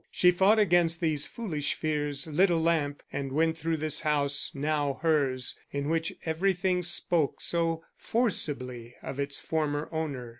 She fought against these foolish fears, lit a lamp, and went through this house now hers in which everything spoke so forcibly of its former owner.